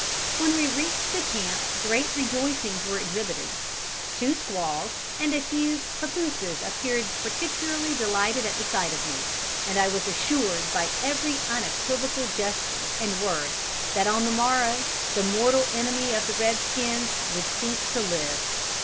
"'When we reached the camp great rejoicings were exhibited. Two squaws and a few papooses appeared particularly delighted at the sight of me, and I was assured by every unequivocal gesture and word that on the morrow the mortal enemy of the red skins would cease to live.